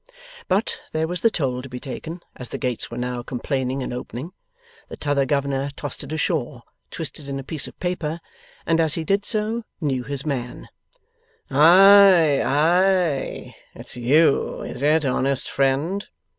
But, there was the toll to be taken, as the gates were now complaining and opening. The T'other governor tossed it ashore, twisted in a piece of paper, and as he did so, knew his man. 'Ay, ay? It's you, is it, honest friend?